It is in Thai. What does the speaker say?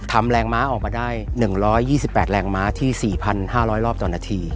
ทำแรงม้าออกมาได้๑๒๘แรงม้าที่๔๕๐๐รอบต่อนาที